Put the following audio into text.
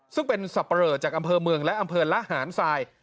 ซึ่งเป็นสับปะเลอจากอำเภอเมืองและอำเภอละหารทราย